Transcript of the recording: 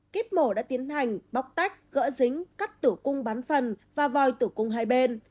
kíp mổ đã tiến hành bóc tách gỡ dính cắt tử cung bán phần và vòi tử cung hai bên